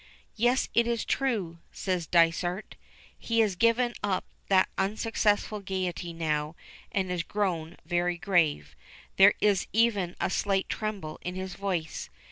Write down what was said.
"Yes; it is true!" says Dysart. He has given up that unsuccessful gayety now and has grown very grave; there is even a slight tremble in his voice.